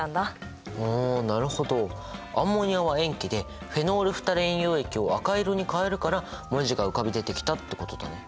あなるほどアンモニアは塩基でフェノールフタレイン溶液を赤色に変えるから文字が浮かび出てきたってことだね。